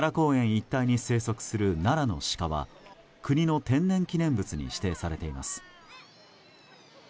一帯に生息する奈良のシカは国の天然記念物に指定されています。